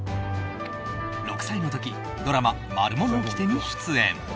６歳の時ドラマ「マルモのおきて」に出演。